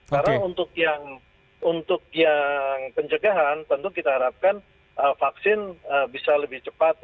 karena untuk yang penjagaan tentu kita harapkan vaksin bisa lebih cepat